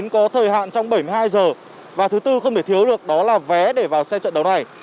có thời hạn trong bảy mươi hai giờ và thứ tư không thể thiếu được đó là vé để vào sân